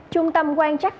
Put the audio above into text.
trung tâm quan trắc